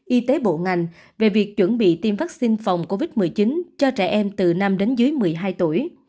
y tế bộ ngành về việc chuẩn bị tiêm vaccine phòng covid một mươi chín cho trẻ em từ năm đến dưới một mươi hai tuổi